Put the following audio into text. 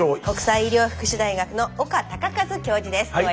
国際医療福祉大学の岡孝和教授です。